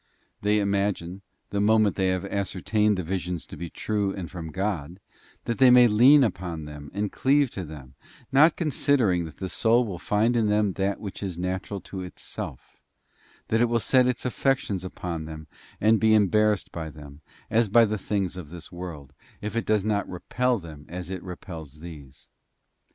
They imagine, the moment they have ascer tained the visions to be true and from God, that they may lean upon them and cleave to them; not considering that the soul will find in them that which is natural to itself, that it will set its affections upon them and be embarrassed by them, as by the things of this world, if it does not repel them as it repels these.